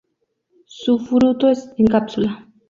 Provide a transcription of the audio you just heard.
Su fruto en cápsula.